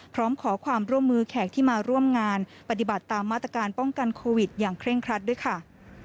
พร้อมขอความร่วมมือแขกที่มาร่วมงานปฏิบัติตามมาตรการป้องกันโควิดอย่างเคร่งครัดด้วยค่ะ